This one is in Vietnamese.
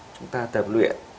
chúng ta tập luyện